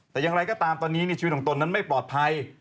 แต่อย่างไรก็ตามตอนนี้ชีวิตของตนนั้นไม่ปลอดภัย